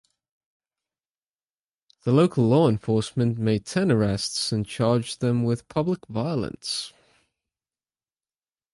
The local law enforcement made ten arrests and charged them with public violence.